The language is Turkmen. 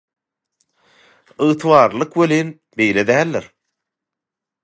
Ygtybarlylyk welin, beýle däldir.